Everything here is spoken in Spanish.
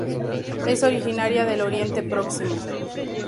Es originaria del Oriente Próximo.